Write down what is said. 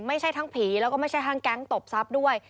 ไม่ใช่ทั้งผีแล้วก็ไม่ใช่ทั้งแก๊งตบทรัพย์ด้วย